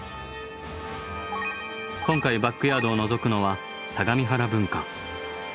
今回バックヤードをのぞくのは相模原分館。